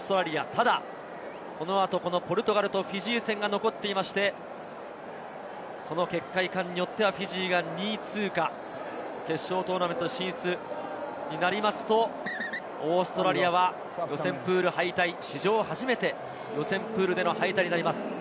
ただこの後、ポルトガルとフィジー戦が残っていて、その結果いかんによってはフィジーが２位通過、決勝トーナメント進出になると、オーストラリアは予選プール敗退、史上初めて予選プールでの敗退になります。